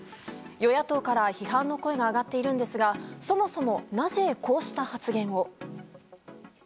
与野党から批判の声が上がっているんですがそもそもなぜこうした発言を。